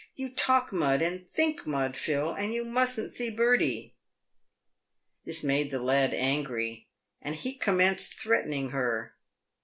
You talk mud, and think mud, Phil, and you mustn't see Bertie." This made the lad angry, and he commenced threatening her.